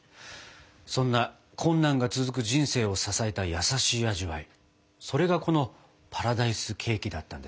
そんな困難が続く人生を支えた優しい味わいそれがこのパラダイスケーキだったんですね。